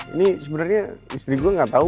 ini sebenarnya istri gue gak tau